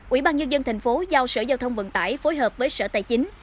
ủy ban nhân dân tp hcm giao sở giao thông vận tải phối hợp với sở tài chính